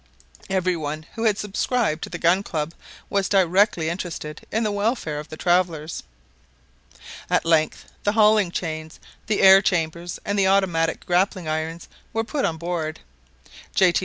Every one who had subscribed to the Gun Club was directly interested in the welfare of the travelers. At length the hauling chains, the air chambers, and the automatic grappling irons were put on board. J. T.